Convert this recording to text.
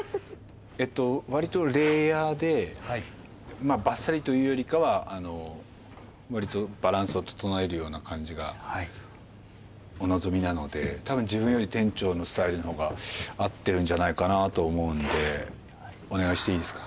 えっと割とレイヤーではいまあバッサリというよりかはあの割とバランスを整えるような感じがお望みなのでたぶん自分より店長のスタイルの方が合ってるんじゃないかなと思うんでお願いしていいですか？